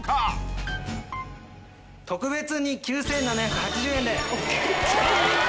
特別に９７８０円で。